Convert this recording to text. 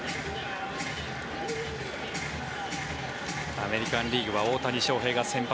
アメリカン・リーグは大谷翔平が先発。